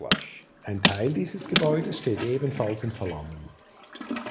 Ein Teil dieses Gebäudes steht ebenfalls in Flammen.